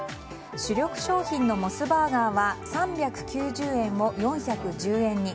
主力商品のモスバーガーは３９０円も４１０円に。